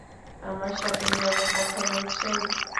আমার সাথে এভাবে কথা বলছেন!